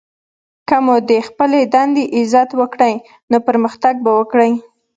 که مو د خپلي دندې عزت وکړئ! نو پرمختګ به وکړئ!